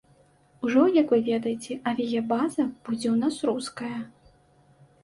Ужо, як вы ведаеце, авіябаза будзе ў нас руская.